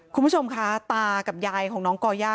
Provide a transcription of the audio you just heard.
คุณผู้ชมคะตากับยายของน้องก่อย่าเสียชีวิต